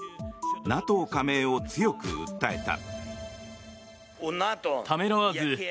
ＮＡＴＯ加盟を強く訴えた。